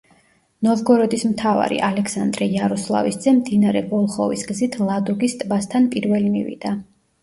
ნოვგოროდის მთავარი ალექსანდრე იაროსლავის ძე მდინარე ვოლხოვის გზით ლადოგის ტბასთან პირველი მივიდა.